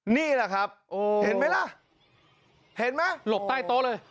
นี่แหละครับเห็นไหมล่ะเห็นไหมหลบใต้โต๊ะเลย